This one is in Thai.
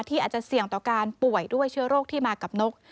อาจจะเสี่ยงต่อการป่วยด้วยเชื้อโรคที่มากับนก